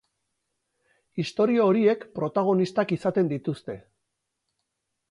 Istorio horiek protagonistak izaten dituzte.